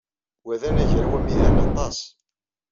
Wa d anagraw amihaw aṭas.